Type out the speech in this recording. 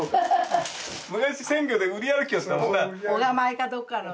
昔鮮魚で売り歩きよったもんな。